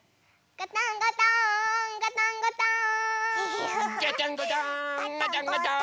ガタンゴトーン！